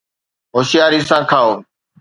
هوشياري سان کائو